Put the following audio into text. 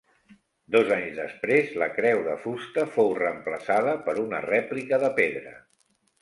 Dos anys després la creu de fusta fou reemplaçada per una rèplica de pedra.